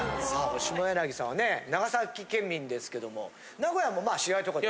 下柳さんはね長崎県民ですけども名古屋も試合とかでね。